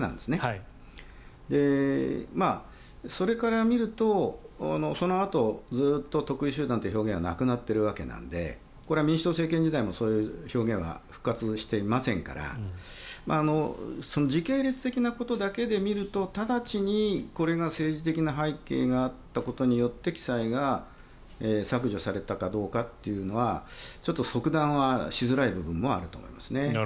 それから見るとそのあとずっと特異集団という表現はなくなっているわけなのでこれは民主党政権時代もそういう表現は復活していませんから時系列的なことだけで見ると直ちにこれが政治的な背景があったことによって記載が削除されたかどうかというのはちょっと即断はしづらい部分もあると思いますね。